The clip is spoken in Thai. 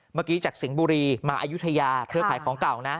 เมื่อกี้จากสิงห์บุรีมาอายุทยาเธอขายของเก่านะ